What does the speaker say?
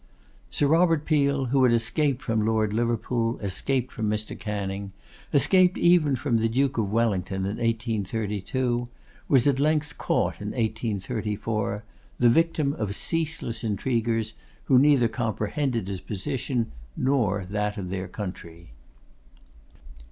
Sir Robert Peel, who had escaped from Lord Liverpool, escaped from Mr. Canning, escaped even from the Duke of Wellington in 1832, was at length caught in 1834; the victim of ceaseless intriguers, who neither comprehended his position, nor that of their country.